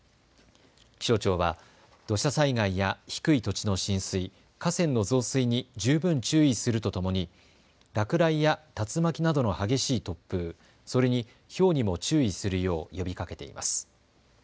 気象庁は土砂災害や低い土地の浸水、河川の増水に十分注意するとともに落雷や竜巻などの激しい突風、それにひょうにも注意するよう呼びかけています。